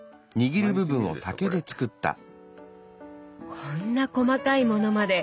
こんな細かいものまで！